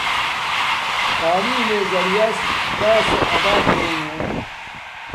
تعلیم میے زیعریاس داسے آباد ہوݵݵ